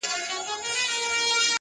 کرۍ شپه به وه پرانیستي دوکانونه.!